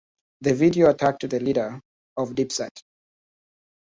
The video attacked the leader of Dipset.